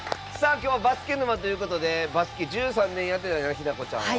きょうはバスケ沼ということでバスケ１３年やってた日奈子ちゃんは。